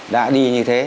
đã đi như thế